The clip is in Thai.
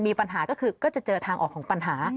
มีปัญหาก็คือก็จะเจอทางออกของปัญหา